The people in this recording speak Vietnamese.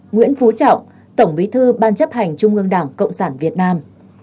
nguyễn phú trọng tổng bí thư ban chấp hành trung ương đảng cộng sản việt nam